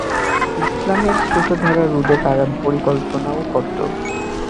ইসলামের স্রোতধারা রোধে তারা পরিকল্পনাও করত।